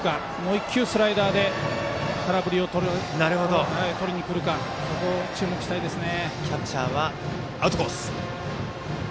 １球スライダーで空振りをとりにくるか注目したいですね。